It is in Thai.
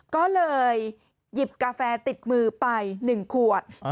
ก็เลยหยิบกาแฟติดมือไป๑ขวด